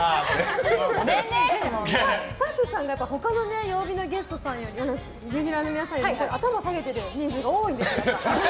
スタッフさんが、他の曜日のレギュラーの皆さんよりも頭下げてる人数が多いんですよ。